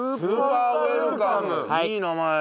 いい名前。